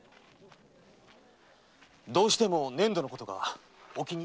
どうしても粘土のことがお気に？